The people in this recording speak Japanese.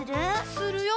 するよ。